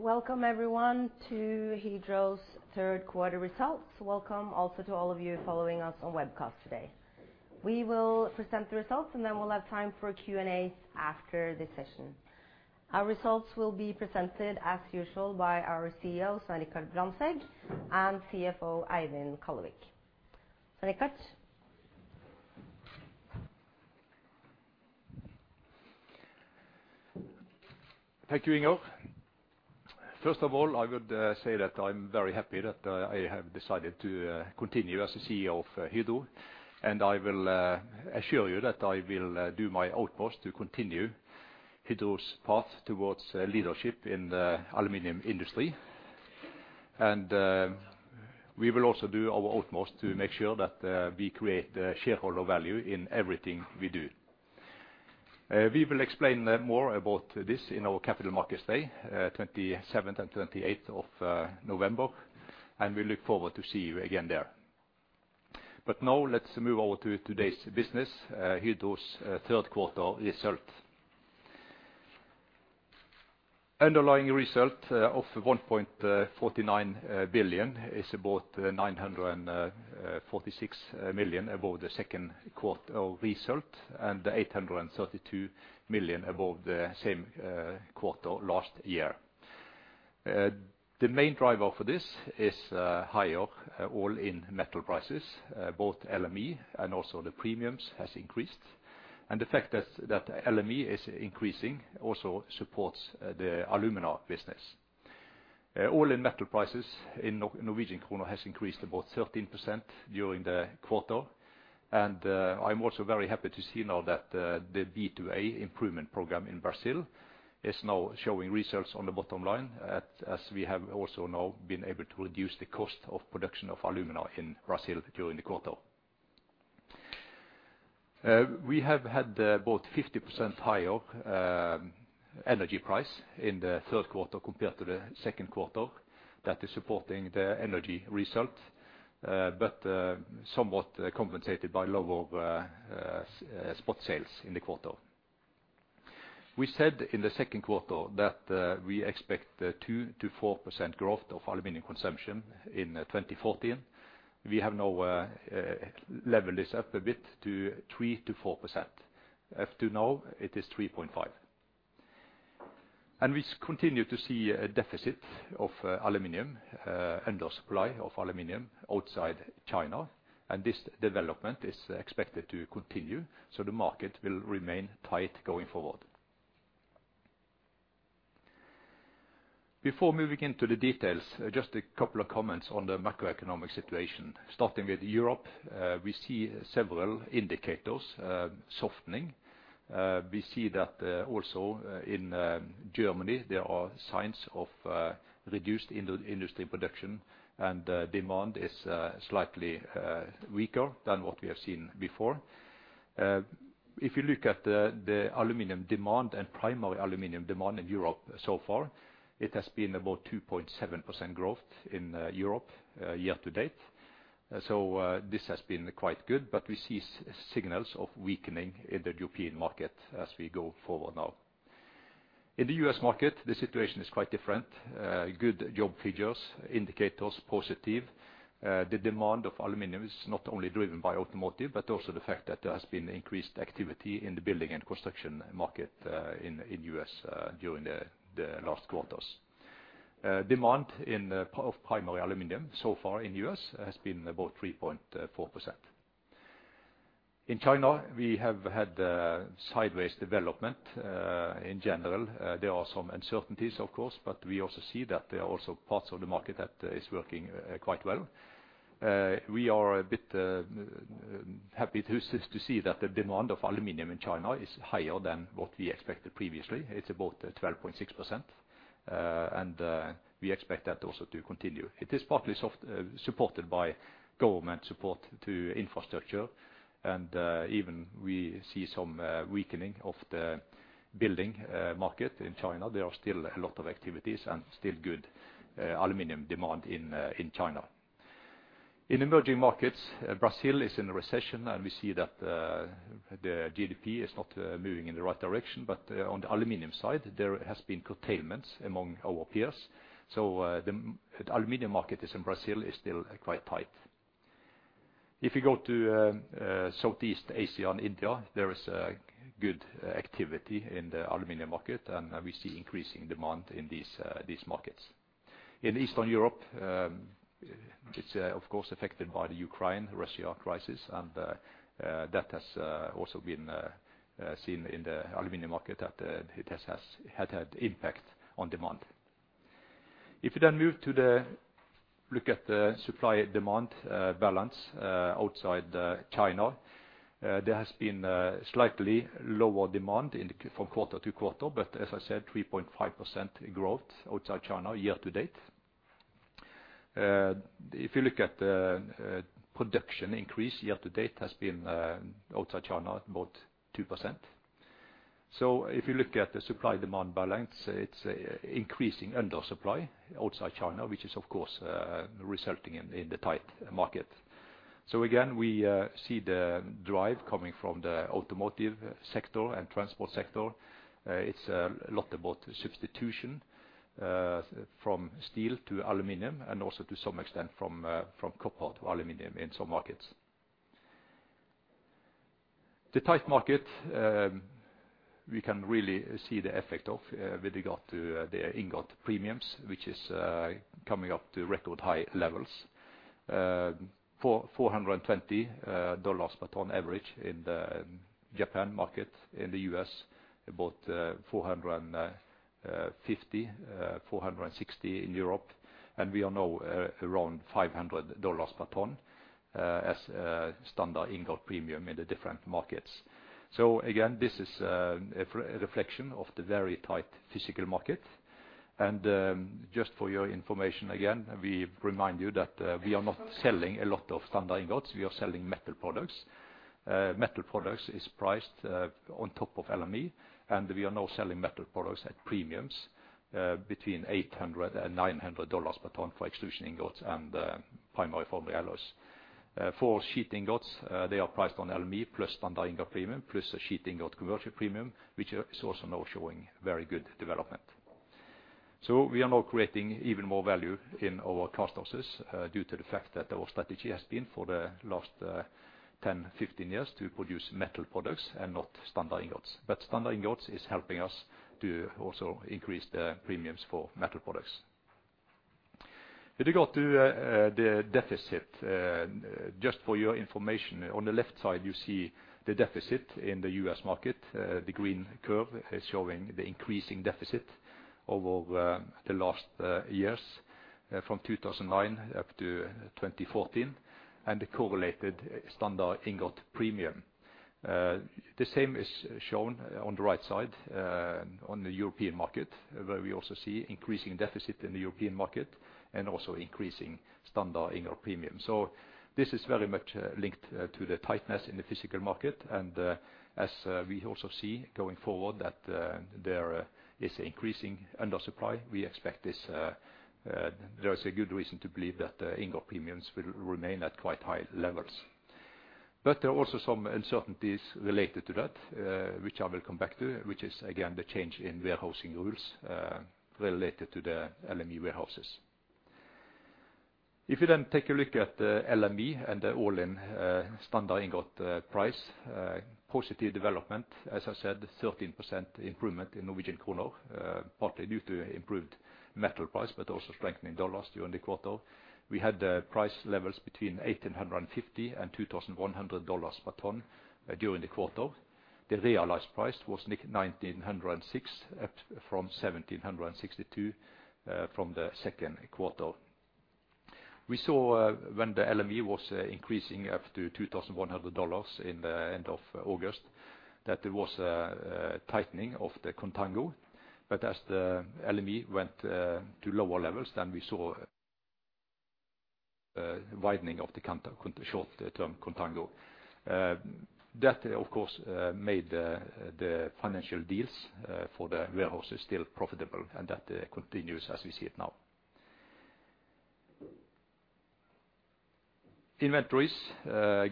Welcome everyone to Hydro's third quarter results. Welcome also to all of you following us on webcast today. We will present the results, and then we'll have time for Q&A after this session. Our results will be presented, as usual, by our CEO, Svein Richard Brandtzæg, and CFO, Eivind Kallevik. Svein Richard? Thank you, Inger. First of all, I would say that I'm very happy that I have decided to continue as the CEO of Hydro, and I will assure you that I will do my utmost to continue Hydro's path towards leadership in the aluminum industry. We will also do our utmost to make sure that we create shareholder value in everything we do. We will explain more about this in our Capital Markets Day, 27th and 28th of November, and we look forward to see you again there. Now let's move over to today's business, Hydro's third quarter result. Underlying result of 1.49 billion is about 946 million above the second quarter result, and 832 million above the same quarter last year. The main driver for this is higher all-in metal prices both LME and also the premiums has increased. The fact that LME is increasing also supports the alumina business. All-in metal prices in Norwegian krone has increased about 13% during the quarter. I'm also very happy to see now that the B&A improvement program in Brazil is now showing results on the bottom line as we have also now been able to reduce the cost of production of alumina in Brazil during the quarter. We have had about 50% higher energy price in the third quarter compared to the second quarter. That is supporting the energy result, but somewhat compensated by lower spot sales in the quarter. We said in the second quarter that we expect 2%-4% growth of aluminum consumption in 2014. We have now leveled this up a bit to 3%-4%. As of now, it is 3.5. We continue to see a deficit of aluminum, undersupply of aluminum outside China, and this development is expected to continue, so the market will remain tight going forward. Before moving into the details, just a couple of comments on the macroeconomic situation. Starting with Europe, we see several indicators softening. We see that also in Germany there are signs of reduced industry production, and demand is slightly weaker than what we have seen before. If you look at the aluminum demand and primary aluminum demand in Europe so far, it has been about 2.7% growth in Europe year to date. This has been quite good, but we see signals of weakening in the European market as we go forward now. In the U.S. market, the situation is quite different. Good job figures, indicators positive. The demand of aluminum is not only driven by automotive, but also the fact that there has been increased activity in the building and construction market in the U.S. during the last quarters. Demand for primary aluminum so far in U.S. has been about 3.4%. In China, we have had sideways development. In general, there are some uncertainties, of course, but we also see that there are also parts of the market that is working quite well. We are a bit happy to see that the demand for aluminum in China is higher than what we expected previously. It's about 12.6%, and we expect that also to continue. It is partly supported by government support to infrastructure. Even we see some weakening of the building market in China, there are still a lot of activities and still good aluminum demand in China. In emerging markets, Brazil is in a recession, and we see that the GDP is not moving in the right direction. On the aluminum side, there has been curtailments among our peers. The aluminum market in Brazil is still quite tight. If you go to Southeast Asia and India, there is a good activity in the aluminum market, and we see increasing demand in these markets. In Eastern Europe, it's of course affected by the Ukraine-Russia crisis, and that has also been seen in the aluminum market that it has had impact on demand. If you then move to the, look at the supply-demand balance outside China, there has been slightly lower demand from quarter to quarter, but as I said, 3.5% growth outside China year to date. If you look at production increase year to date has been outside China about 2%. If you look at the supply-demand balance, it's an increasing undersupply outside China, which is of course resulting in the tight market. Again, we see the drive coming from the automotive sector and transport sector. It's a lot about substitution from steel to aluminum, and also to some extent from copper to aluminum in some markets. The tight market, we can really see the effect of with regard to the ingot premiums, which is coming up to record high levels. $420 per ton average in the Japan market. In the US, about $450, $460 in Europe. We are now around $500 per ton as a standard ingot premium in the different markets. This is a reflection of the very tight physical market. Just for your information, again, we remind you that we are not selling a lot of standard ingots. We are selling metal products. Metal products is priced on top of LME, and we are now selling metal products at premiums between $800-$900 per ton for extrusion ingots and primary alloy. For sheet ingots, they are priced on LME plus standard ingot premium plus a sheet ingot commercial premium, which is also now showing very good development. We are now creating even more value in our cast houses due to the fact that our strategy has been for the last 10, 15 years to produce metal products and not standard ingots. Standard ingots is helping us to also increase the premiums for metal products. With regard to the deficit, just for your information, on the left side, you see the deficit in the U.S. market. The green curve is showing the increasing deficit over the last years, from 2009 up to 2014, and the correlated standard ingot premium. The same is shown on the right side, on the European market, where we also see increasing deficit in the European market and also increasing standard ingot premium. This is very much linked to the tightness in the physical market, and as we also see going forward that there is increasing undersupply, we expect this. There is a good reason to believe that ingot premiums will remain at quite high levels. There are also some uncertainties related to that, which I will come back to, which is again the change in warehousing rules related to the LME warehouses. If you then take a look at LME and the all-in standard ingot price, positive development, as I said, 13% improvement in Norwegian krone, partly due to improved metal price but also strengthening dollars during the quarter. We had price levels between $1,850 and $2,100 per ton during the quarter. The realized price was $1,906 up from $1,762 from the second quarter. We saw when the LME was increasing up to $2,100 at the end of August, that there was a tightening of the contango. As the LME went to lower levels, then we saw a widening of the short-term contango. That of course made the financial deals for the warehouses still profitable, and that continues as we see it now. Inventories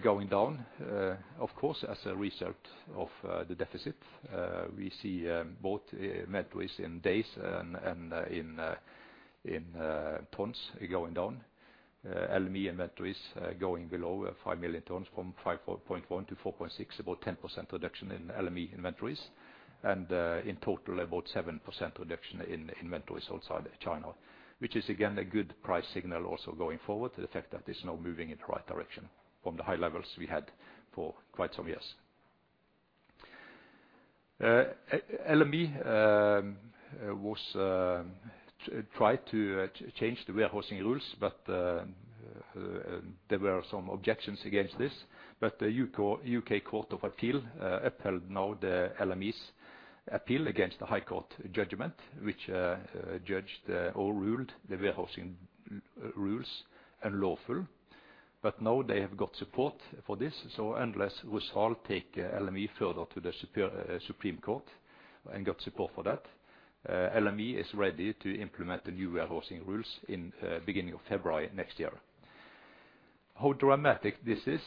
going down of course as a result of the deficit. We see both inventories in days and in tons going down. LME inventories going below 5 million tons from 5.1 to 4.6, about 10% reduction in LME inventories, and in total, about 7% reduction in inventories outside China, which is again a good price signal also going forward, the fact that it's now moving in the right direction from the high levels we had for quite some years. LME tried to change the warehousing rules, but there were some objections against this. U.K. Court of Appeal upheld now the LME's appeal against the High Court judgment, which judged or ruled the warehousing rules unlawful. Now they have got support for this, so unless Rusal take LME further to the Supreme Court and got support for that, LME is ready to implement the new warehousing rules in beginning of February next year. How dramatic this is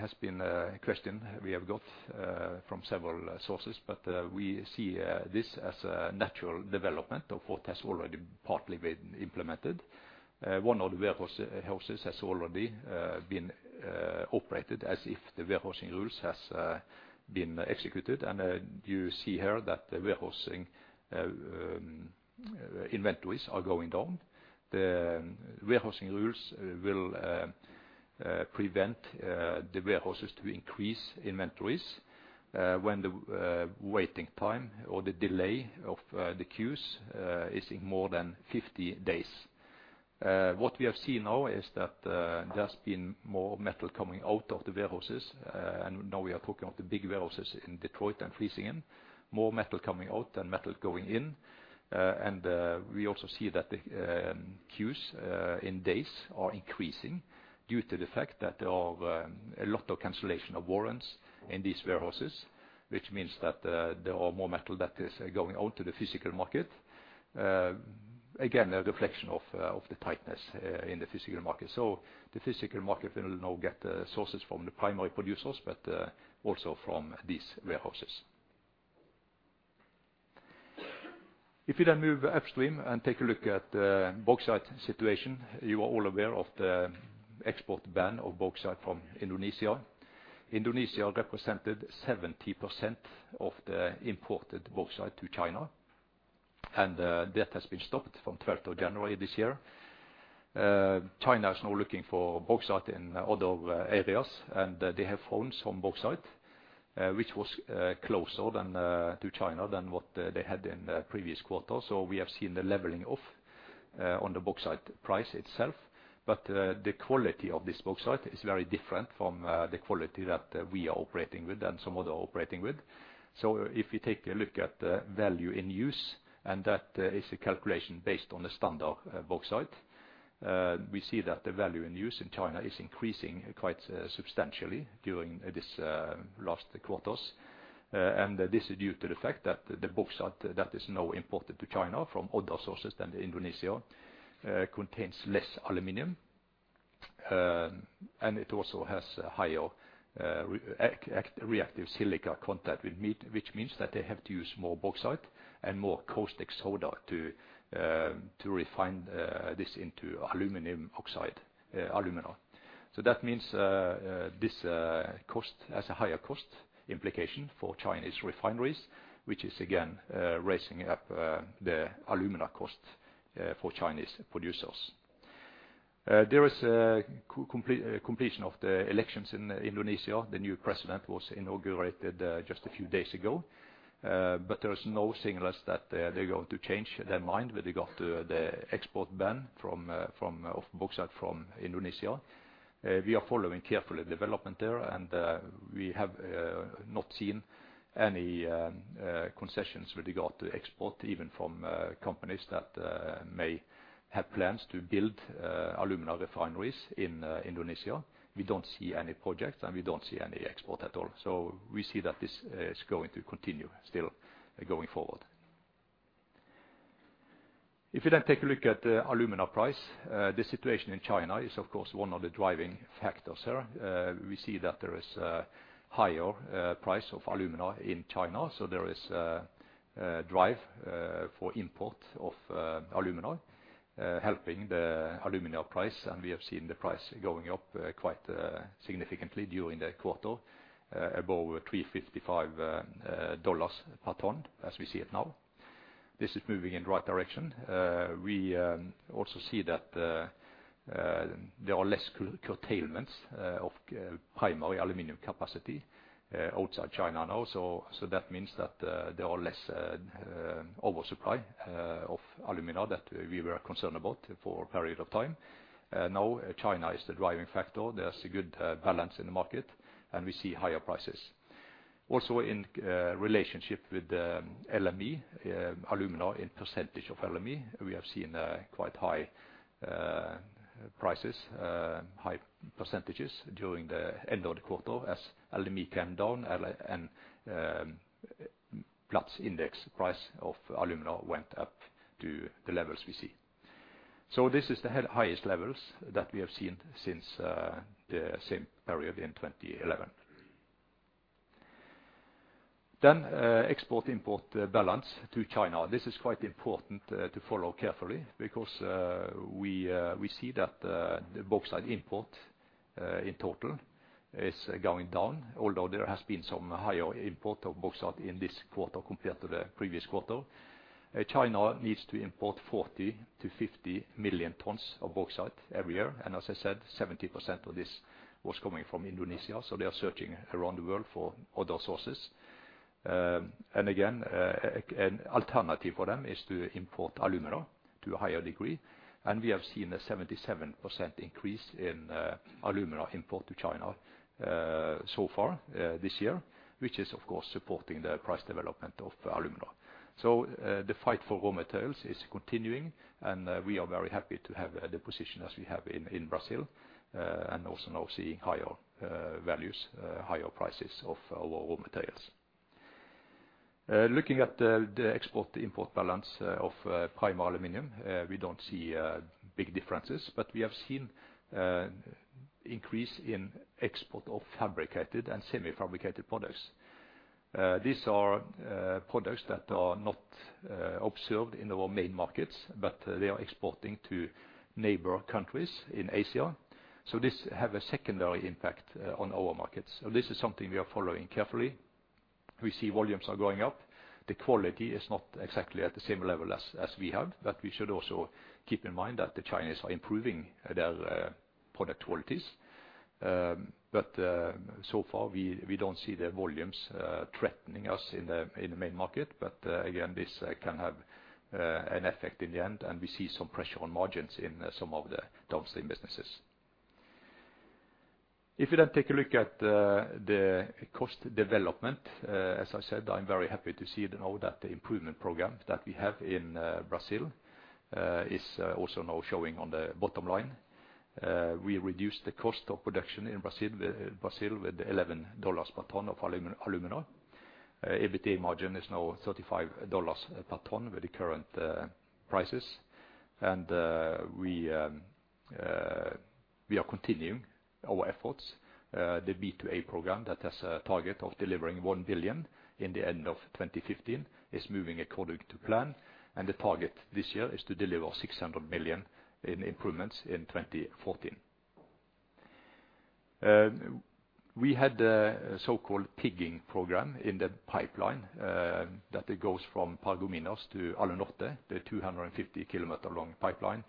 has been a question we have got from several sources, but we see this as a natural development of what has already partly been implemented. One of the warehouses has already been operated as if the warehousing rules has been executed, and you see here that the warehousing inventories are going down. The warehousing rules will prevent the warehouses to increase inventories when the waiting time or the delay of the queues is more than 50 days. What we have seen now is that there's been more metal coming out of the warehouses, and now we are talking of the big warehouses in Detroit and Vlissingen, more metal coming out than metal going in. We also see that the queues in days are increasing due to the fact that there are a lot of cancellation of warrants in these warehouses, which means that there are more metal that is going out to the physical market. Again, a reflection of the tightness in the physical market. The physical market will now get sources from the primary producers, but also from these warehouses. If you then move upstream and take a look at bauxite situation, you are all aware of the export ban of bauxite from Indonesia. Indonesia represented 70% of the imported bauxite to China, and that has been stopped from twelfth of January this year. China is now looking for bauxite in other areas, and they have found some bauxite, which was closer to China than what they had in the previous quarter. We have seen the leveling off on the bauxite price itself. The quality of this bauxite is very different from the quality that we are operating with than some other operating with. If you take a look at the value in use, and that is a calculation based on the standard bauxite, we see that the value in use in China is increasing quite substantially during this last quarters. This is due to the fact that the bauxite that is now imported to China from other sources than Indonesia contains less aluminum, and it also has a higher reactive silica content, which means that they have to use more bauxite and more caustic soda to refine this into aluminum oxide, alumina. That means this cost has a higher cost implication for Chinese refineries, which is again raising up the alumina cost for Chinese producers. There is a completion of the elections in Indonesia. The new president was inaugurated just a few days ago. There is no signs that they're going to change their mind with regard to the export ban of bauxite from Indonesia. We are following carefully developments there, and we have not seen any concessions with regard to export, even from companies that may have plans to build alumina refineries in Indonesia. We don't see any projects, and we don't see any export at all. We see that this is going to continue still going forward. If you take a look at the alumina price, the situation in China is of course one of the driving factors here. We see that there is higher price of alumina in China. There is a drive for import of alumina helping the alumina price. We have seen the price going up quite significantly during the quarter, above $355 per ton as we see it now. This is moving in the right direction. We also see that there are less curtailments of primary aluminum capacity outside China now. That means that there are less oversupply of alumina that we were concerned about for a period of time. Now China is the driving factor. There's a good balance in the market, and we see higher prices. In relationship with the LME, alumina in percentage of LME, we have seen quite high prices, high percentages during the end of the quarter as LME came down and Platts index price of alumina went up to the levels we see. This is the highest levels that we have seen since the same period in 2011. Export-import balance to China. This is quite important to follow carefully because we see that the bauxite import in total is going down, although there has been some higher import of bauxite in this quarter compared to the previous quarter. China needs to import 40-50 million tons of bauxite every year. As I said, 70% of this was coming from Indonesia. They are searching around the world for other sources. An alternative for them is to import alumina to a higher degree. We have seen a 77% increase in alumina import to China so far this year, which is of course supporting the price development of alumina. The fight for raw materials is continuing, and we are very happy to have the position as we have in Brazil, and also now seeing higher values, higher prices of our raw materials. Looking at the export-import balance of primary aluminum, we don't see big differences, but we have seen increase in export of fabricated and semi-fabricated products. These are products that are not observed in our main markets, but they are exporting to neighbor countries in Asia. This have a secondary impact on our markets. This is something we are following carefully. We see volumes are going up. The quality is not exactly at the same level as we have, but we should also keep in mind that the Chinese are improving their product qualities. So far, we don't see their volumes threatening us in the main market. Again, this can have an effect in the end, and we see some pressure on margins in some of the downstream businesses. If you then take a look at the cost development, as I said, I'm very happy to see now that the improvement program that we have in Brazil is also now showing on the bottom line. We reduced the cost of production in Brazil with $11 per ton of alumina. EBITDA margin is now $35 per ton with the current prices. We are continuing our efforts. The B&A program that has a target of delivering 1 billion at the end of 2015 is moving according to plan. The target this year is to deliver 600 million in improvements in 2014. We had a so-called pigging program in the pipeline that goes from Paragominas to Alunorte. The 250-kilometer-long pipeline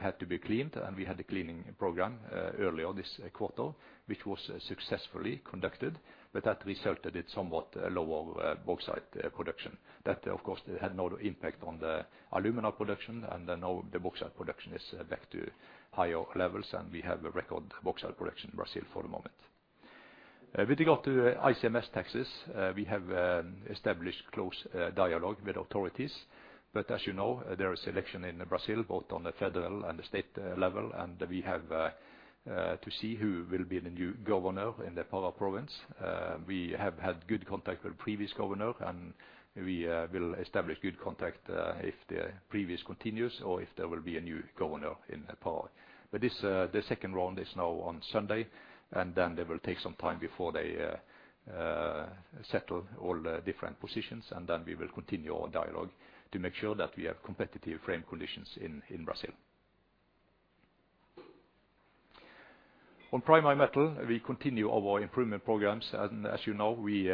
had to be cleaned, and we had a cleaning program early in this quarter, which was successfully conducted. That resulted in somewhat lower bauxite production. That, of course, had no impact on the alumina production. Now the bauxite production is back to higher levels, and we have a record bauxite production in Brazil for the moment. With regard to ICMS taxes, we have established close dialogue with authorities. As you know, there is election in Brazil, both on the federal and the state level, and we have to see who will be the new governor in the Pará province. We have had good contact with previous governor, and we will establish good contact if the previous continues or if there will be a new governor in Pará. This, the second round is now on Sunday, and then they will take some time before they settle all the different positions. Then we will continue our dialogue to make sure that we have competitive frame conditions in Brazil. On Primary Metal, we continue our improvement programs. As you know, we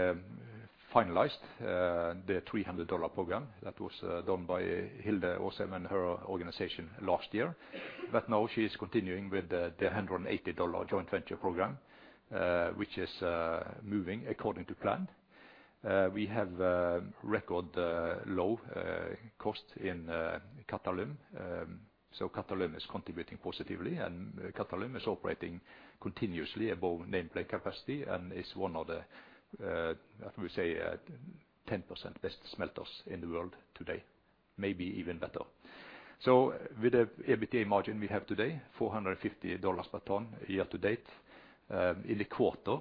finalized the $300 program that was done by Hilde Merete Aasheim and her organization last year. Now she is continuing with the $180 joint venture program, which is moving according to plan. We have record low cost in Qatalum. Qatalum is contributing positively, and Qatalum is operating continuously above nameplate capacity and is one of the, I would say, 10% best smelters in the world today, maybe even better. With the EBITDA margin we have today, $450 per ton year to date, in the quarter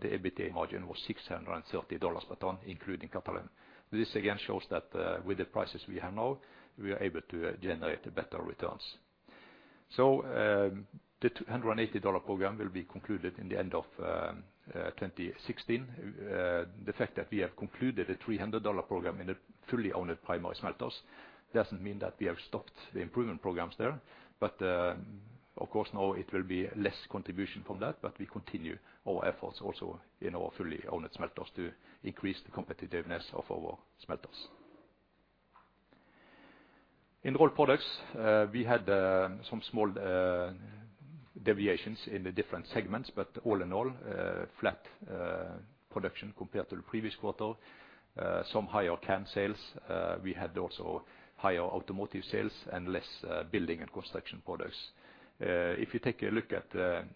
the EBITDA margin was $630 per ton, including Qatalum. This again shows that with the prices we have now, we are able to generate better returns. The $280 program will be concluded in the end of 2016. The fact that we have concluded a $300 program in the fully owned primary smelters doesn't mean that we have stopped the improvement programs there. Of course, now it will be less contribution from that, but we continue our efforts also in our fully owned smelters to increase the competitiveness of our smelters. In Rolled Products, we had some small deviations in the different segments, but all in all, flat production compared to the previous quarter. Some higher can sales. We had also higher automotive sales and less building and construction products. If you take a look at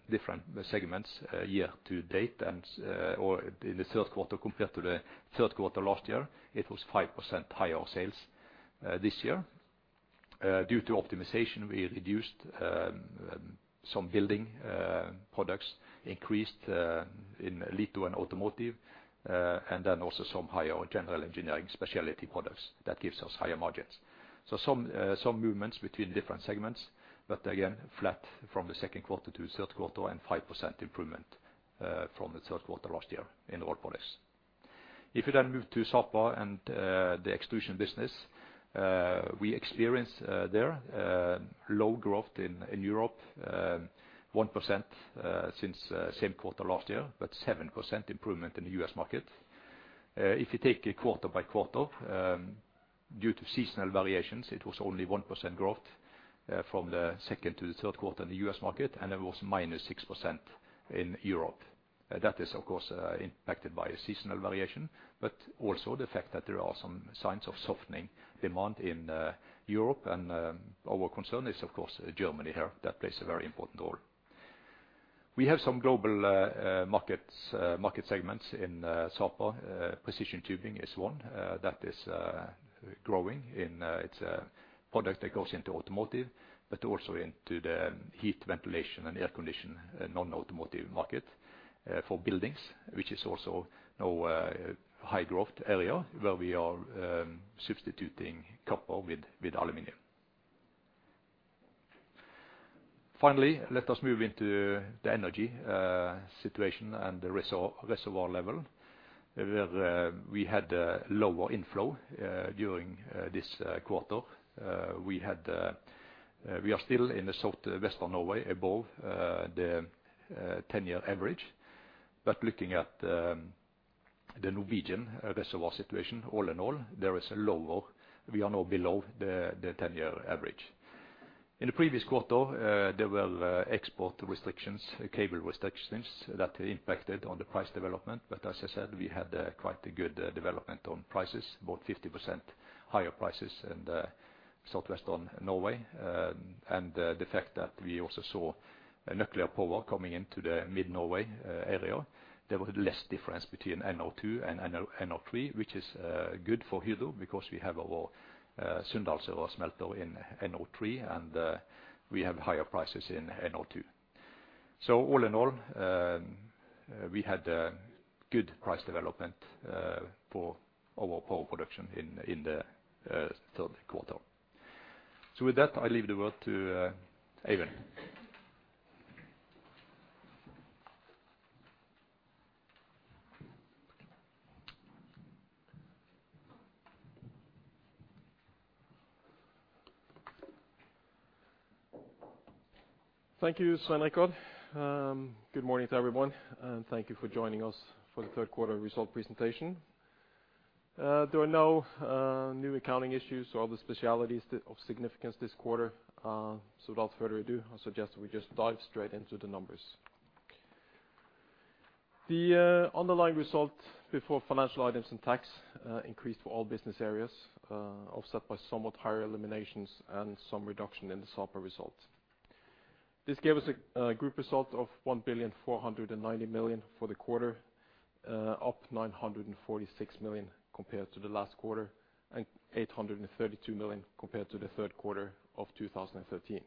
different segments year to date and or in the third quarter compared to the third quarter last year, it was 5% higher sales this year. Due to optimization, we reduced some building products, increased in litho and automotive, and then also some higher general engineering specialty products that gives us higher margins. Some movements between different segments, but again, flat from the second quarter to third quarter and 5% improvement from the third quarter last year in Rolled Products. If you move to Sapa and the extrusion business, we experienced there low growth in Europe, 1% since same quarter last year, but 7% improvement in the U.S. market. If you take it quarter by quarter, due to seasonal variations, it was only 1% growth from the second to the third quarter in the U.S. market, and it was minus 6% in Europe. That is, of course, impacted by a seasonal variation, but also the fact that there are some signs of softening demand in Europe. Our concern is, of course, Germany here. That plays a very important role. We have some global markets, market segments in Sapa. Precision tubing is one that is growing. It's a product that goes into automotive, but also into the heating, ventilation, and air conditioning, non-automotive market for buildings, which is also now a high growth area where we are substituting copper with aluminum. Finally, let us move into the energy situation and the reservoir level, where we had lower inflow during this quarter. We are still in the Southwest of Norway above the 10-year average. Looking at the Norwegian reservoir situation, all in all, there is lower. We are now below the 10-year average. In the previous quarter, there were export restrictions, cable restrictions that impacted on the price development. As I said, we had quite a good development on prices, about 50% higher prices in the Southwest of Norway. The fact that we also saw a nuclear power coming into the mid Norway area. There was less difference between NO2 and NO1, NO3, which is good for Hydro because we have our Sunndalsøra smelter in NO3, and we have higher prices in NO2. All in all, we had good price development for our power production in the third quarter. With that, I leave the word to Eivind. Thank you, Svein Richard Brandtzæg. Good morning to everyone, and thank you for joining us for the third quarter result presentation. There are no new accounting issues or other special items of significance this quarter, so without further ado, I suggest we just dive straight into the numbers. The underlying result before financial items and tax increased for all business areas, offset by somewhat higher eliminations and some reduction in the Sapa results. This gave us a group result of 1.49 billion for the quarter, up 946 million compared to the last quarter, and 832 million compared to the third quarter of 2013.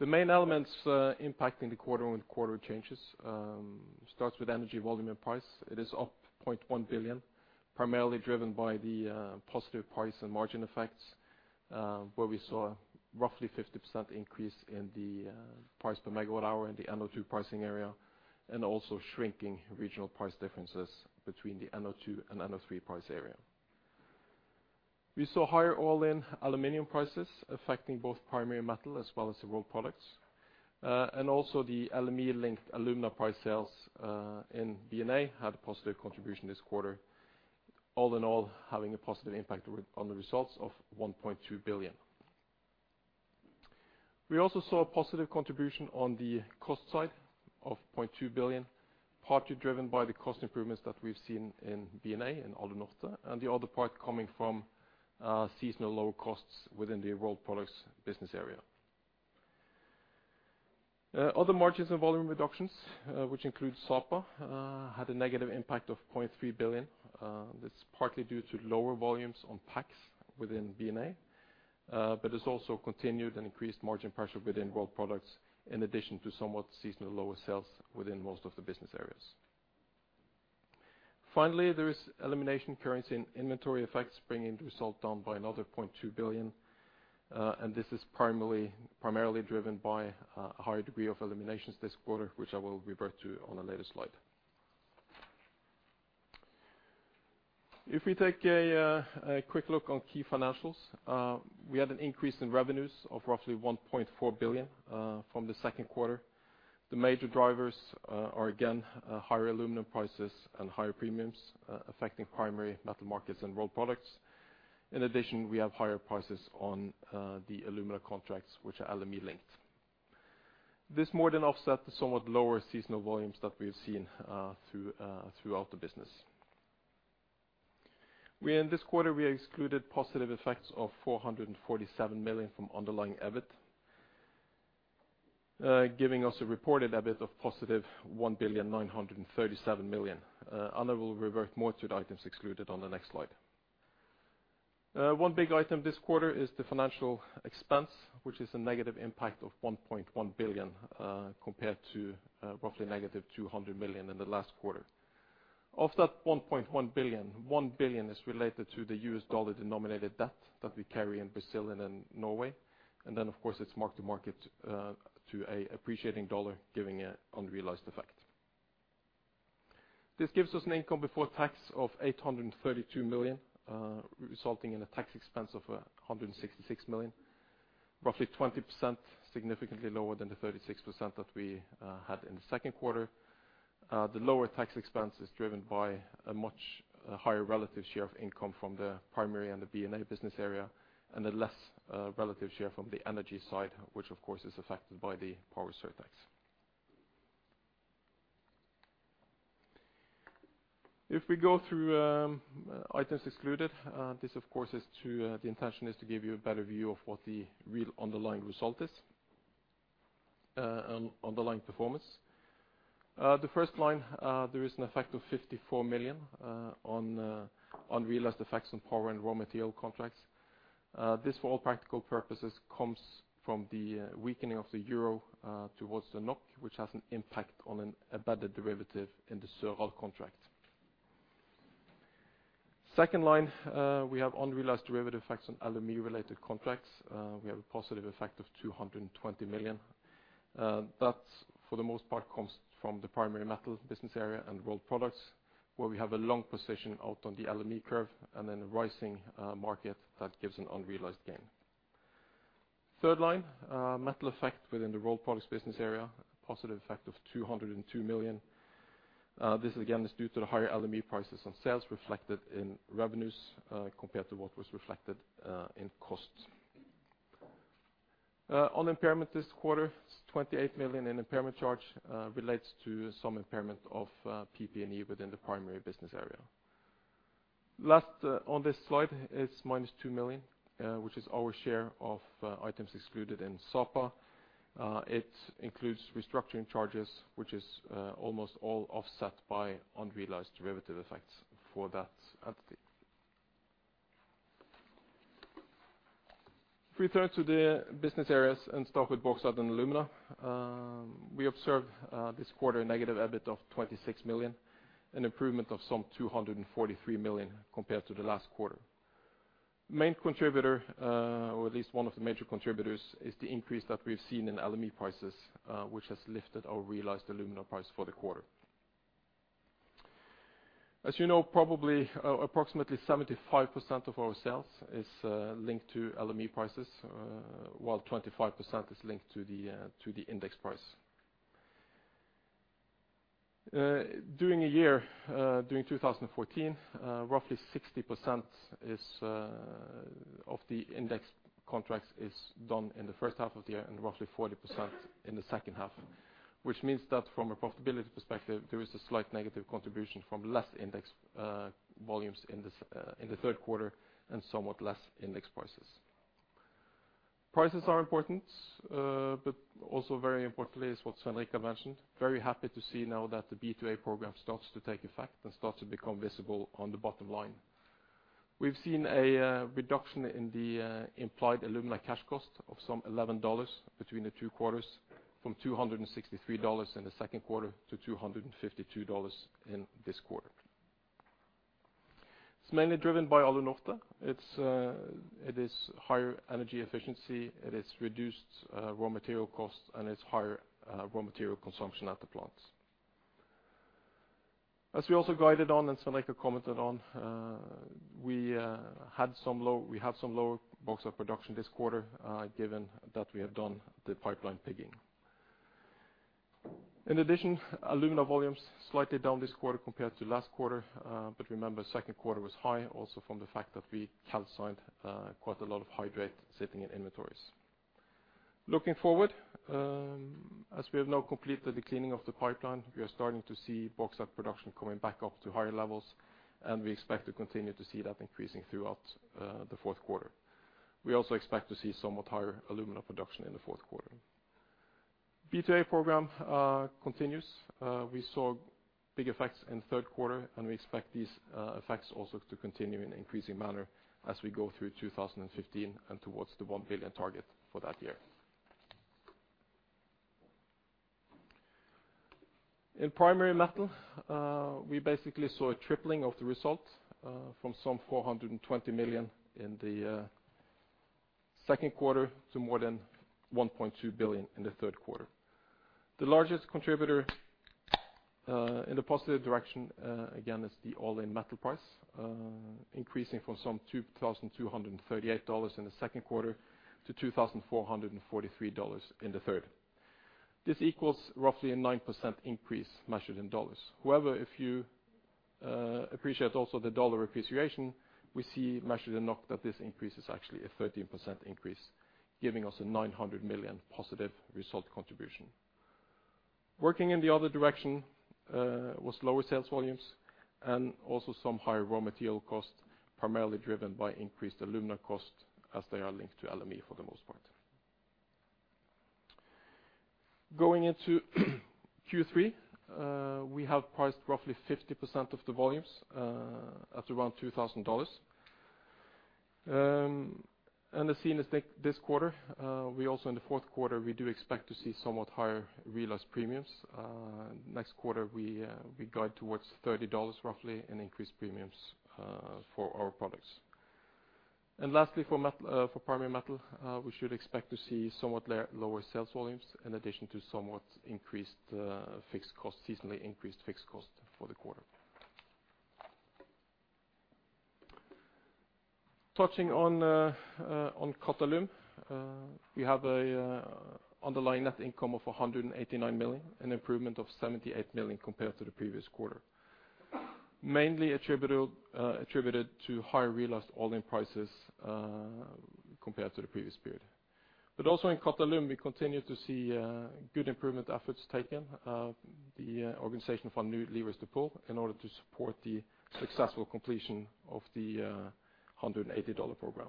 The main elements impacting the quarter-on-quarter changes starts with energy volume and price. It is up 0.1 billion, primarily driven by the positive price and margin effects, where we saw roughly 50% increase in the price per megawatt hour in the NO2 pricing area and also shrinking regional price differences between the NO2 and NO3 price area. We saw higher all-in aluminum prices affecting both Primary Metal as well as the Rolled Products. And also the LME-linked alumina price sales in B&A had a positive contribution this quarter, all in all having a positive impact on the results of 1.2 billion. We also saw a positive contribution on the cost side of 0.2 billion, partly driven by the cost improvements that we've seen in B&A and Alunorte, and the other part coming from seasonal lower costs within the Rolled Products business area. Other margins and volume reductions, which include Sapa, had a negative impact of 0.3 billion. This is partly due to lower volumes of bauxite within B&A, but it's also continued and increased margin pressure within Rolled Products, in addition to somewhat seasonal lower sales within most of the business areas. Finally, there is elimination, currency and inventory effects bringing the result down by another 0.2 billion. This is primarily driven by a higher degree of eliminations this quarter, which I will refer to on a later slide. If we take a quick look at key financials, we had an increase in revenues of roughly 1.4 billion from the second quarter. The major drivers are again higher aluminum prices and higher premiums affecting Primary Metal Markets and Rolled Products. In addition, we have higher prices on the alumina contracts, which are LME-linked. This more than offset the somewhat lower seasonal volumes that we've seen throughout the business. In this quarter, we excluded positive effects of 447 million from underlying EBIT, giving us a reported EBIT of 1.937 billion. Arne will revert more to the items excluded on the next slide. One big item this quarter is the financial expense, which is a negative impact of 1.1 billion compared to roughly negative 200 million in the last quarter. Of that 1.1 billion, 1 billion is related to the US dollar-denominated debt that we carry in Brazil and in Norway. Then of course, it's mark to market to an appreciating dollar, giving it unrealized effect. This gives us an income before tax of 832 million, resulting in a tax expense of 166 million. Roughly 20%, significantly lower than the 36% that we had in the second quarter. The lower tax expense is driven by a much higher relative share of income from the primary and the B&A business area, and a less relative share from the energy side, which of course is affected by the power surtax. If we go through items excluded, this of course, the intention is to give you a better view of what the real underlying result is, and underlying performance. The first line, there is an effect of 54 million on unrealized effects on power and raw material contracts. This for all practical purposes comes from the weakening of the euro towards the NOK, which has an impact on an embedded derivative in the Søral contract. Second line, we have unrealized derivative effects on LME-related contracts. We have a positive effect of 220 million. That's for the most part comes from the primary metal business area and Rolled Products, where we have a long position out on the LME curve and then rising market that gives an unrealized gain. Third line, metal effect within the Rolled Products business area, a positive effect of 202 million. This again is due to the higher LME prices on sales reflected in revenues compared to what was reflected in cost. On impairment this quarter, 28 million in impairment charge relates to some impairment of PP&E within the primary business area. Last, on this slide is minus 2 million, which is our share of items excluded in Sapa. It includes restructuring charges, which is almost all offset by unrealized derivative effects for that entity. If we turn to the business areas and start with Bauxite and Alumina, we observed this quarter a negative EBIT of 26 million, an improvement of some 243 million compared to the last quarter. Main contributor, or at least one of the major contributors, is the increase that we've seen in LME prices, which has lifted our realized alumina price for the quarter. As you know, probably, approximately 75% of our sales is linked to LME prices, while 25% is linked to the index price. During the year, during 2014, roughly 60% of the index contracts is done in the first half of the year and roughly 40% in the second half. Which means that from a profitability perspective, there is a slight negative contribution from less index volumes in the third quarter and somewhat less index prices. Prices are important, but also very importantly is what Svein Richard Brandtzæg mentioned. Very happy to see now that the B&A program starts to take effect and starts to become visible on the bottom line. We've seen a reduction in the implied alumina cash cost of $11 between the two quarters, from $263 in the second quarter to $252 in this quarter. It's mainly driven by Alunorte. It's it is higher energy efficiency, it is reduced raw material costs, and it's higher raw material consumption at the plants. As we also guided on, and Svein Richard Brandtzæg commented on, we have some lower bauxite production this quarter, given that we have done the pipeline pigging. In addition, alumina volumes slightly down this quarter compared to last quarter, but remember, second quarter was high also from the fact that we calcined quite a lot of hydrate sitting in inventories. Looking forward, as we have now completed the cleaning of the pipeline, we are starting to see bauxite production coming back up to higher levels, and we expect to continue to see that increasing throughout the fourth quarter. We also expect to see somewhat higher alumina production in the fourth quarter. B&A program continues. We saw big effects in the third quarter, and we expect these effects also to continue in an increasing manner as we go through 2015 and towards the 1 billion target for that year. In Primary Metal, we basically saw a tripling of the results from some 420 million in the second quarter to more than 1.2 billion in the third quarter. The largest contributor in a positive direction again is the all-in metal price increasing from some $2,238 in the second quarter to $2,443 in the third. This equals roughly a 9% increase measured in dollars. However, if you appreciate also the dollar appreciation, we see measured in NOK that this increase is actually a 13% increase, giving us a 900 million positive result contribution. Working in the other direction was lower sales volumes and also some higher raw material costs, primarily driven by increased alumina costs as they are linked to LME for the most part. Going into Q3, we have priced roughly 50% of the volumes at around $2,000. The same as this quarter, we also in the fourth quarter, we do expect to see somewhat higher realized premiums. Next quarter, we guide towards $30 roughly in increased premiums for our products. For Primary Metal, we should expect to see somewhat lower sales volumes in addition to somewhat increased fixed costs, seasonally increased fixed costs for the quarter. Touching on Qatalum, we have underlying net income of 189 million, an improvement of 78 million compared to the previous quarter. Mainly attributable to higher realized all-in prices compared to the previous period. Also in Qatalum, we continue to see good improvement efforts taken. The organization found new levers to pull in order to support the successful completion of the 180 dollar program.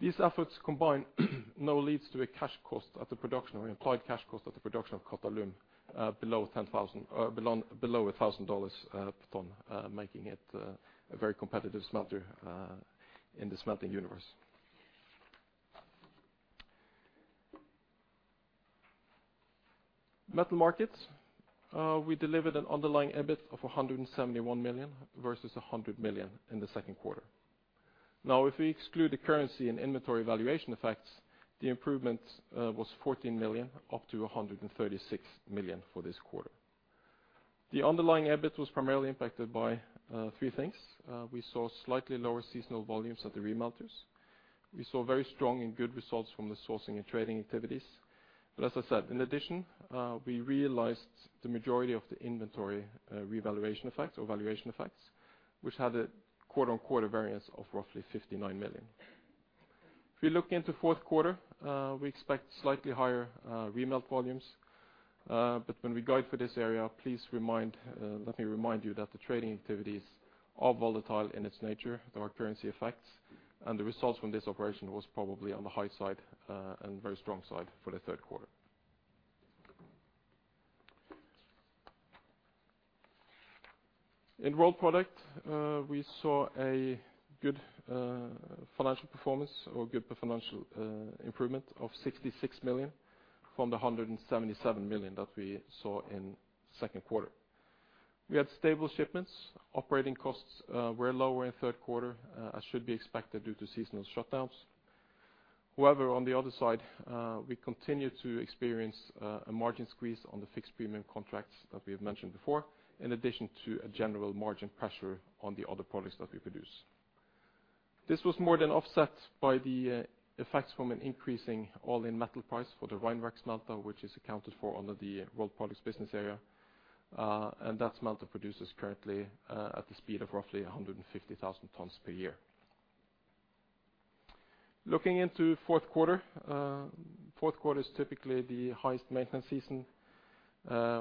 These efforts combined now leads to a cash cost at the production or implied cash cost at the production of Qatalum below a thousand dollars per ton, making it a very competitive smelter in the smelting universe. Metal Markets, we delivered an underlying EBIT of 171 million versus 100 million in the second quarter. Now if we exclude the currency and inventory valuation effects, the improvement was 14 million, up to 136 million for this quarter. The underlying EBIT was primarily impacted by three things. We saw slightly lower seasonal volumes at the remelters. We saw very strong and good results from the sourcing and trading activities. As I said, in addition, we realized the majority of the inventory, revaluation effects or valuation effects, which had a quarter-on-quarter variance of roughly 59 million. If you look into fourth quarter, we expect slightly higher, remelt volumes. but when we guide for this area, let me remind you that the trading activities are volatile in its nature. There are currency effects, and the results from this operation was probably on the high side, and very strong side for the third quarter. In Rolled Products, we saw a good, financial performance or good financial, improvement of 66 million from the 177 million that we saw in second quarter. We had stable shipments. Operating costs were lower in third quarter, as should be expected due to seasonal shutdowns. However, on the other side, we continue to experience a margin squeeze on the fixed premium contracts that we have mentioned before, in addition to a general margin pressure on the other products that we produce. This was more than offset by the effects from an increasing all-in metal price for the Rheinwerk smelter, which is accounted for under the Rolled Products business area. That smelter produces currently at the speed of roughly 150,000 tons per year. Looking into fourth quarter, fourth quarter is typically the highest maintenance season,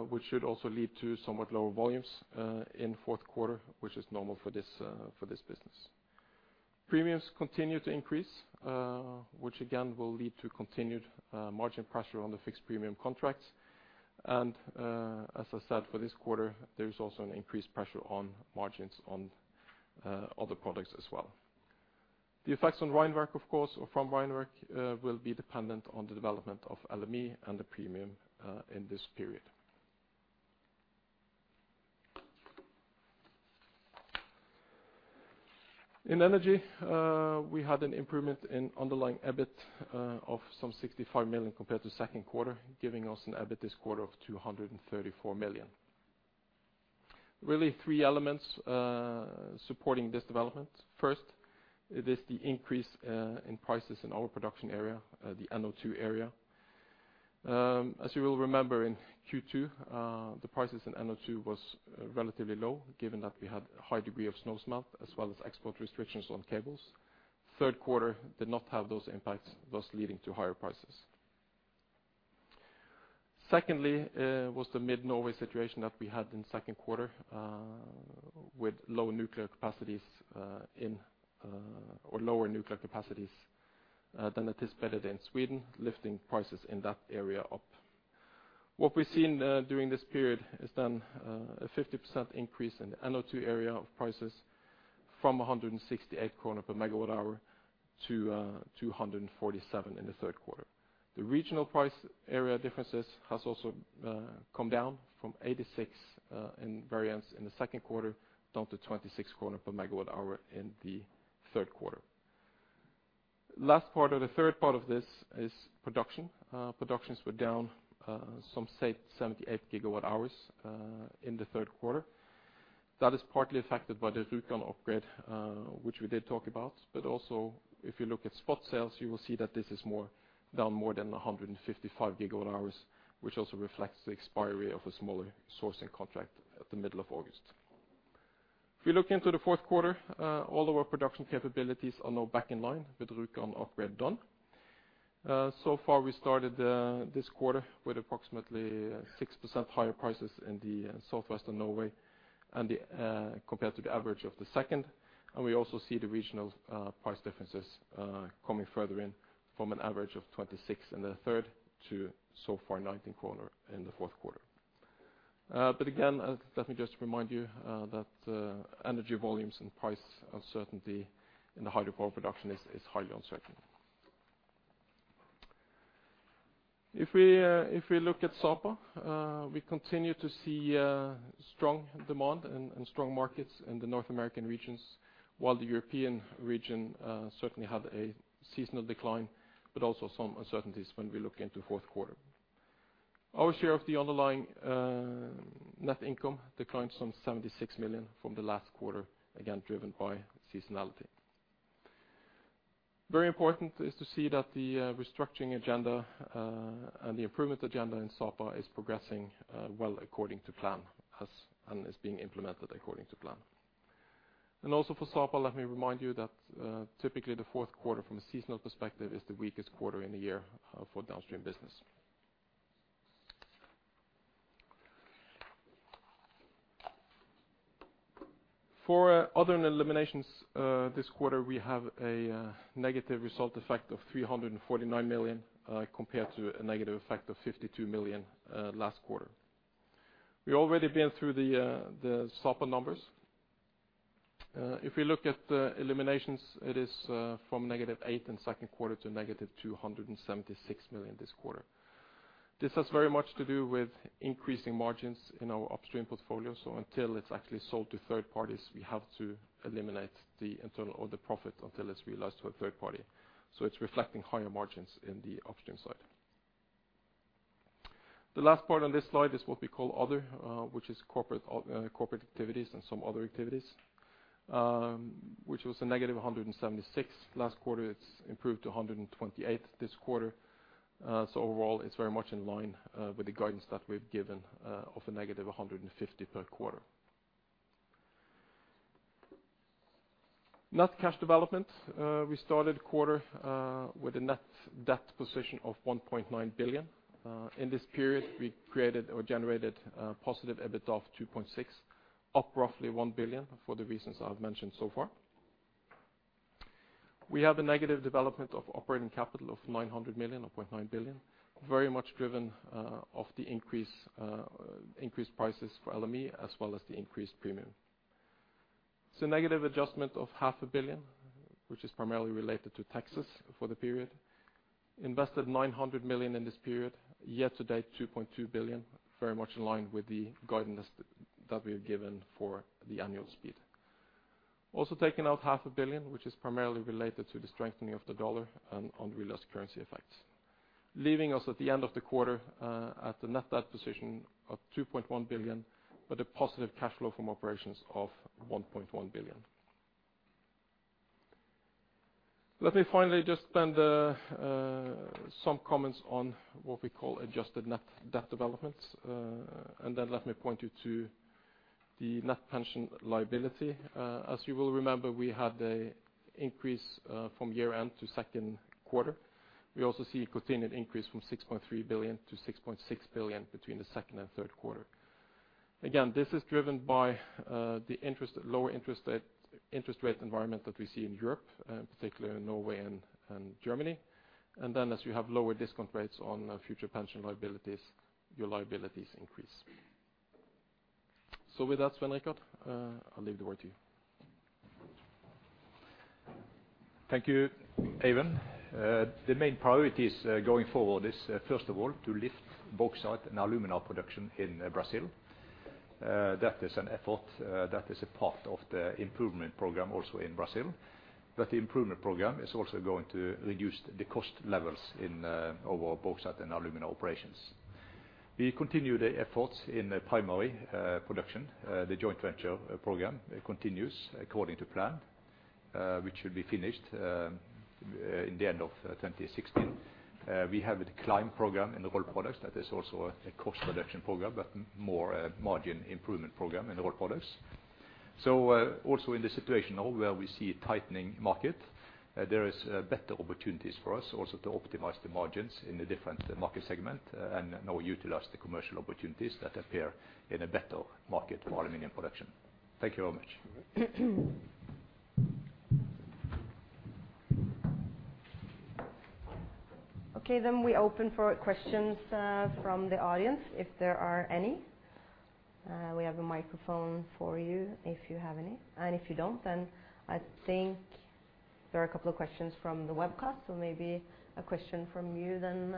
which should also lead to somewhat lower volumes in fourth quarter, which is normal for this business. Premiums continue to increase, which again, will lead to continued margin pressure on the fixed premium contracts. As I said, for this quarter, there is also an increased pressure on margins on other products as well. The effects on Rusal, of course, or from Rusal, will be dependent on the development of LME and the premium in this period. In Energy, we had an improvement in underlying EBIT of some 65 million compared to second quarter, giving us an EBIT this quarter of 234 million. Really three elements supporting this development. First is the increase in prices in our production area, the NO2 area. As you will remember in Q2, the prices in NO2 were relatively low given that we had a high degree of snowmelt as well as export restrictions on cables. Third quarter did not have those impacts, thus leading to higher prices. Secondly, was the mid-Norway situation that we had in second quarter, with low nuclear capacities or lower nuclear capacities than it is better in Sweden, lifting prices in that area up. What we've seen during this period is then a 50% increase in NO2 area of prices from 168 per MWh to 247 in the third quarter. The regional price area differences has also come down from 86 in variance in the second quarter, down to 26 kroner per MWh in the third quarter. Last part or the third part of this is production. Productions were down some 78 GWh in the third quarter. That is partly affected by the Rjukan upgrade, which we did talk about. Also if you look at spot sales, you will see that this is down more than 155 GWh, which also reflects the expiry of a smaller sourcing contract at the middle of August. If you look into the fourth quarter, all of our production capabilities are now back in line with Rjukan upgrade done. So far we started this quarter with approximately 6% higher prices in the Southwestern Norway and the compared to the average of the second. We also see the regional price differences coming further in from an average of 26 in the third to so far 19 NOK in the fourth quarter. Again, let me just remind you that energy volumes and price uncertainty in the hydropower production is highly uncertain. If we look at Sapa, we continue to see strong demand and strong markets in the North American regions, while the European region certainly had a seasonal decline, but also some uncertainties when we look into fourth quarter. Our share of the underlying net income declined some 76 million from the last quarter, again driven by seasonality. Very important is to see that the restructuring agenda and the improvement agenda in Sapa is progressing well according to plan as... is being implemented according to plan. Also for Sapa, let me remind you that, typically the fourth quarter from a seasonal perspective is the weakest quarter in the year, for downstream business. For other and eliminations, this quarter, we have a, negative result effect of 349 million, compared to a negative effect of 52 million, last quarter. We already been through the Sapa numbers. If we look at the eliminations, it is, from negative 8 million in second quarter to negative 276 million this quarter. This has very much to do with increasing margins in our upstream portfolio, so until it's actually sold to third parties, we have to eliminate the internal or the profit until it's realized to a third party. It's reflecting higher margins in the upstream side. The last part on this slide is what we call other, which is corporate activities and some other activities, which was a negative 176 million last quarter. It's improved to 128 million this quarter. So overall it's very much in line with the guidance that we've given of a negative 150 million per quarter. Net cash development, we started the quarter with a net debt position of 1.9 billion. In this period, we created or generated a positive EBIT of 2.6 billion, up roughly 1 billion for the reasons I've mentioned so far. We have a negative development of operating capital of 900 million or 0.9 billion, very much driven by the increased prices for LME, as well as the increased premium. It's a negative adjustment of NOK half a billion, which is primarily related to taxes for the period. Invested 900 million in this period. Year-to-date, 2.2 billion, very much in line with the guidance that we have given for the annual spend. Also taken out NOK half a billion, which is primarily related to the strengthening of the US dollar and unrealized currency effects. Leaving us at the end of the quarter at the net debt position of 2.1 billion, with a positive cash flow from operations of 1.1 billion. Let me finally just make some comments on what we call adjusted net debt developments, and then let me point you to the net pension liability. As you will remember, we had an increase from year-end to second quarter. We also see a continued increase from 6.3 billion-6.6 billion between the second and third quarter. Again, this is driven by the lower interest rate environment that we see in Europe, particularly in Norway and Germany. As you have lower discount rates on future pension liabilities, your liabilities increase. With that, Svein Richard Brandtzæg, I'll leave the word to you. Thank you, Eivind. The main priorities going forward is, first of all, to lift bauxite and alumina production in Brazil. That is an effort that is a part of the improvement program also in Brazil. The improvement program is also going to reduce the cost levels in our bauxite and alumina operations. We continue the efforts in the primary production. The joint venture program continues according to plan, which should be finished in the end of 2016. We have a Climb program in the Rolled Products that is also a cost reduction program, but more a margin improvement program in the Rolled Products. Also in the situation now where we see a tightening market, there is better opportunities for us also to optimize the margins in the different market segment and now utilize the commercial opportunities that appear in a better market for aluminum production. Thank you very much. All right. Okay, we open for questions from the audience, if there are any. We have a microphone for you if you have any. If you don't, then I think there are a couple of questions from the webcast. Maybe a question from you then,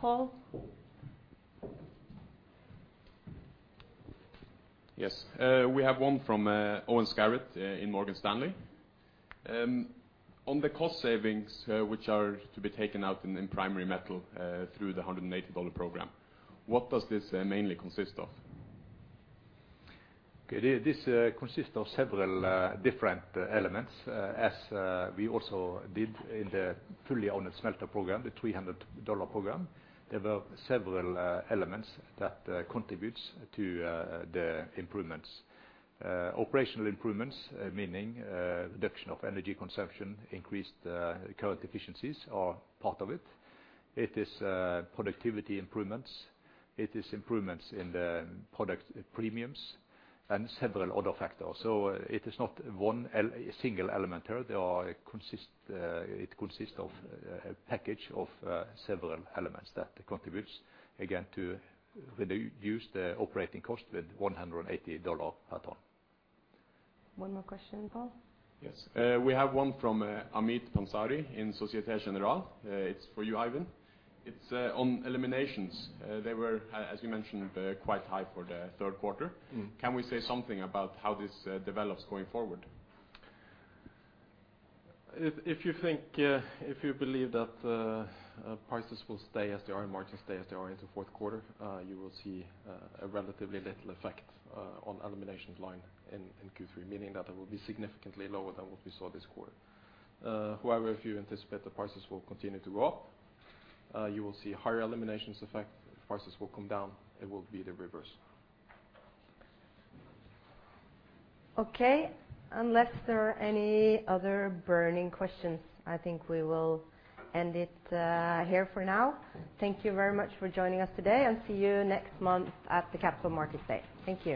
Paul. Yes. We have one from Alain Gabriel in Morgan Stanley. On the cost savings, which are to be taken out in Primary Metal, through the $180 program, what does this mainly consist of? Okay. This consists of several different elements. As we also did in the fully owned smelter program, the $300 program. There were several elements that contributes to the improvements. Operational improvements, meaning reduction of energy consumption, increased current efficiencies are part of it. It is productivity improvements. It is improvements in the product premiums and several other factors. It is not one single element here. It consists of a package of several elements that contributes again to reduce the operating cost with $180 per ton. One more question, Paul. Yes. We have one from Jatinder Salwan in Société Générale. It's for you, Eivind. It's on eliminations. They were, as you mentioned, quite high for the third quarter. Mm-hmm. Can we say something about how this develops going forward? If you think, if you believe that prices will stay as they are and margins stay as they are into fourth quarter, you will see a relatively little effect on elimination line in Q3, meaning that it will be significantly lower than what we saw this quarter. However, if you anticipate the prices will continue to go up, you will see higher eliminations effect. If prices will come down, it will be the reverse. Okay. Unless there are any other burning questions, I think we will end it here for now. Thank you very much for joining us today, and see you next month at the Capital Markets Day. Thank you.